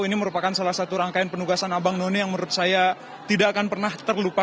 ini merupakan salah satu rangkaian penugasan abang none yang menurut saya tidak akan pernah terlupakan